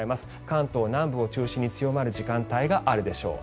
関東南部を中心に強まる時間帯があるでしょう。